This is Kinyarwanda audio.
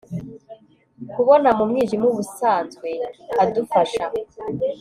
kubona mu mwijima, ubusanzwe adufasha